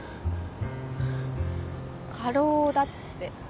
過労だって。